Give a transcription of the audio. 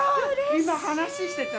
今、話ししてた？